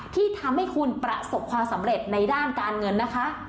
ที่ทำให้คุณประสบความสำเร็จในด้านการเงินนะคะ